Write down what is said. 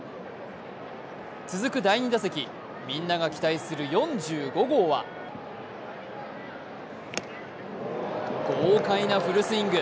続く第２打席、みんなが期待する４５号は豪快なフルスイング。